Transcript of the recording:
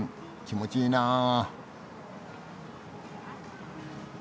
気持ちいいなあ。